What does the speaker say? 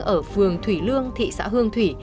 ở phường thủy lương thị xã hương thủy